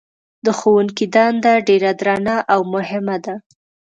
د ښوونکي دنده ډېره درنه او مهمه ده.